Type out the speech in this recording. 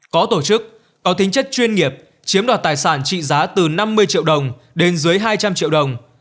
có tổ chức có tính chất chuyên nghiệp chiếm đoạt tài sản trị giá từ năm mươi triệu đồng đến dưới hai trăm linh triệu đồng